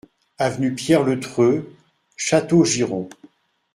Avenue Pierre Le Treut, Châteaugiron